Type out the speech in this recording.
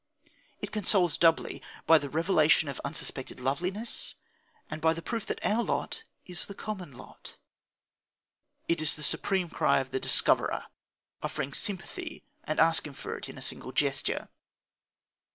It consoles doubly by the revelation of unsuspected loveliness, and by the proof that our lot is the common lot. It is the supreme cry of the discoverer, offering sympathy and asking for it in a single gesture.